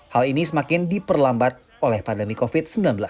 hal ini semakin diperlambat oleh pandemi covid sembilan belas